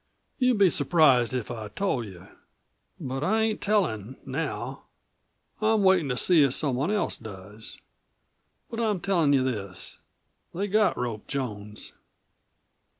"You'd be surprised if I told you. But I ain't tellin' now. I'm waitin' to see if someone else does. But I'm tellin' you this: They got Rope Jones."